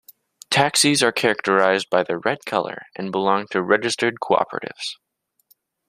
Taxis are characterized by their red color and belong to registered cooperatives.